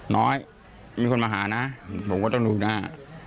น้อยมีคนมาหานะผมก็ต้องดูหน้า